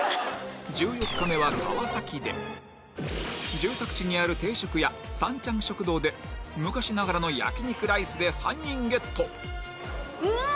１４日目は川崎で住宅地にある定食屋三ちゃん食堂で昔ながらのヤキ肉ライスでうまっ！